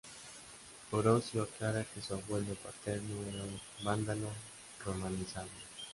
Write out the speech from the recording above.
Orosio aclara que su abuelo paterno era un vándalo romanizado.